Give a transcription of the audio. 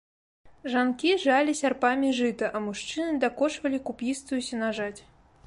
Жанкі жалі сярпамі жыта, а мужчыны дакошвалі куп'істую сенажаць.